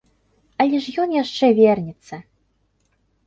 Але ж ён яшчэ вернецца.